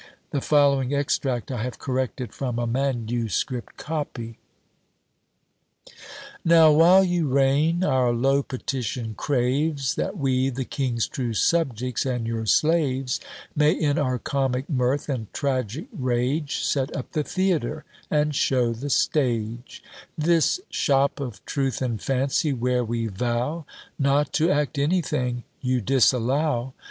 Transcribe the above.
The following extract I have corrected from a manuscript copy: Now while you reign, our low petition craves That we, the king's true subjects and your slaves, May in our comic mirth and tragic rage Set up the theatre, and show the stage; This shop of truth and fancy, where we vow Not to act anything you disallow.